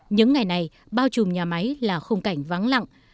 những ngày này bao trùm nhà máy là khung cảnh vắng lặng